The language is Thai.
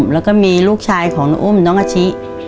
แล้วก็มีลูกชายของน้องอุ้มน้องอาชิ